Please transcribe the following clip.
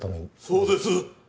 そうです。